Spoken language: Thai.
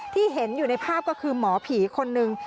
ที่เห็นอยู่ในภาพก็คือหมอผีคนหนึ่ง